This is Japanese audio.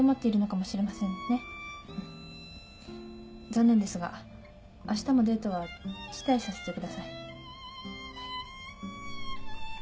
残念ですがあしたもデートは辞退させてください。